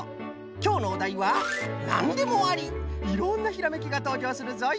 きょうのおだいはいろんなひらめきがとうじょうするぞい。